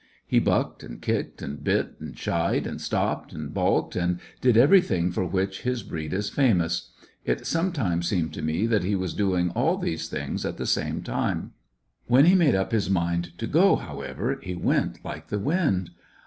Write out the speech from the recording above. He bucked and kicked and bit and shied and stopped and balked and did everything for which his breed is famous. It sometimes seemed to me that he was doing all these things at the same time. When he made np Ms mind to "go," how ever^ he went like the wind.